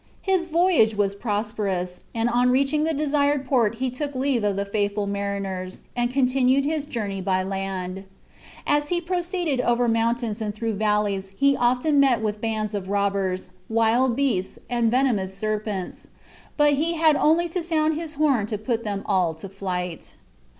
His voyage was prosperous, and on reaching the desired port he took leave of the faithful mariners, and continued his journey by land. As he proceeded over mountains and through valleys he often met with bands of robbers, wild beasts, and venomous serpents, but he had only to sound his horn to put them all to flight.